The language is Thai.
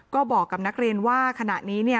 ก็บอกกับนักเรียนว่าขณะนี้เนี่ย